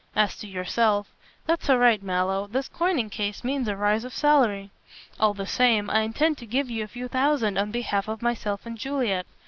As to yourself " "That's all right, Mallow, this coining case means a rise of salary." "All the same, I intend to give you a few thousands on behalf of myself and Juliet.